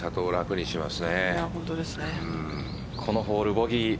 このホール、ボギー。